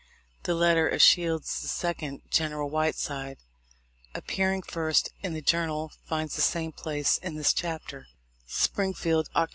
The letter of Shields' second, General Whiteside, appearing first in the Journal, finds the same place in this chapter : "Springfield, Oct.